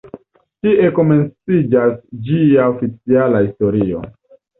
Tie komenciĝas ĝia oficiala historio.